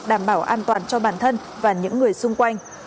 đảm bảo an toàn cho bản thân và những người xung quanh